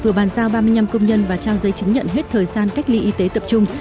vừa bàn giao ba mươi năm công nhân và trao giấy chứng nhận hết thời gian cách ly y tế tập trung